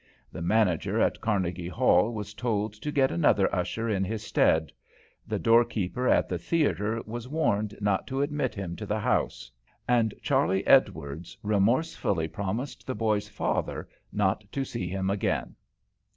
The manager at Carnegie Hall was told to get another usher in his stead; the doorkeeper at the theatre was warned not to admit him to the house; and Charley Edwards remorsefully promised the boy's father not to see him again.